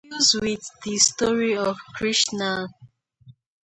It deals with the story of Krishna.